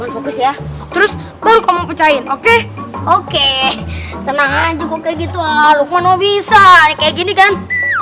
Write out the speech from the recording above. fokus ya terus baru kamu pecahin oke oke tenang aja kok kayak gitu aduh gue mau bisa kayak gini kan